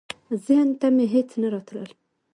ذهن ته مي هیڅ نه راتلل .